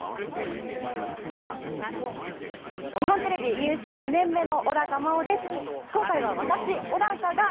日本テレビ入社２年目の小高茉緒です。